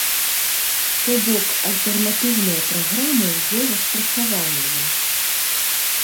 То бок, альтэрнатыўная праграма ўжо распрацаваная.